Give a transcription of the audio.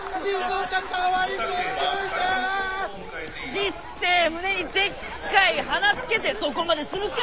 ちっせえ胸にでっかい花つけてそこまでするか！